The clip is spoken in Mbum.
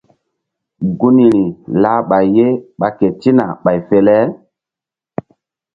Gunri lah ɓay ye ɓa ketina ɓay fe le.